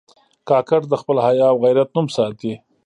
کاکړ د خپل حیا او غیرت نوم ساتي.